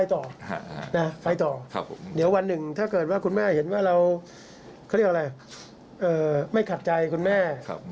ถ้าเกิดว่าคุณแม่เห็นว่าเราไม่ขัดใจคุณแม่